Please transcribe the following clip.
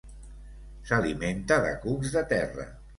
S'alimenta de cucs de terra.